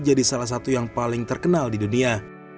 jadi salah satu yang paling terkenal di dunia